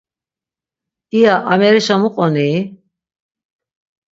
İya amerişa muqonii?